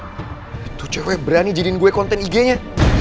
tuh cewek berani jadiin gue konten ig nya